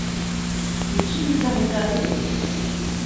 Et qui vous a retardé?...